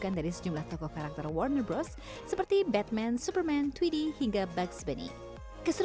anda akan merasakan kecepatan hingga satu ratus lima belas km